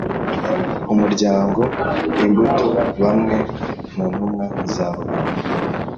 Umuryango Imbuto bamwe mu ntumwa za rubanda,